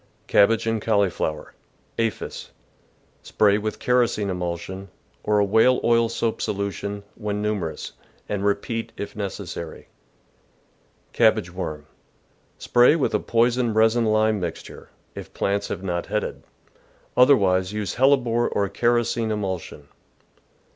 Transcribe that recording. Cabbage and Cauliflower. — Aphis. — Spray with kerosene emulsion, or a whale oil soap solu tion, when numerous, and repeat if necessary. Cabbage Worm. — Spray with a poisoned resin lime mixture, if plants have not headed; otherwise use hellebore or kerosene emulsion.